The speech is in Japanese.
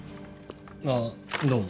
ああどうも。